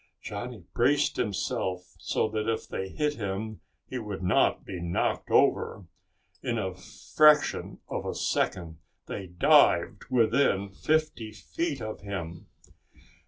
Johnny braced himself so that if they hit him he would not be knocked over. In a fraction of a second they dived within fifty feet of him.